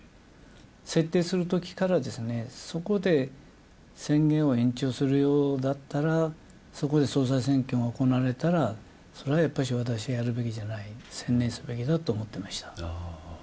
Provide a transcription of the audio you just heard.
設定するときから、そこで宣言を延長するようだったら、そこで総裁選挙が行われたら、それはやっぱし私はやるべきじゃない、専念すべきだと思ってました。